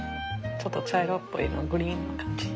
ちょっと茶色っぽい色グリーンな感じ。